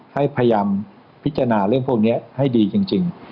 ให้พยายามพิจารณาเรื่องพวกนี้ให้ดีจริง